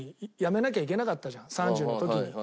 ３０の時に。